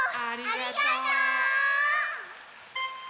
ありがとう！